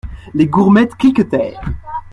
Les gourmettes cliquetèrent.